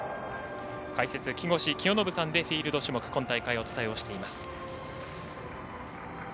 解説、木越清信さんでフィールド種目は今大会、お伝えしています。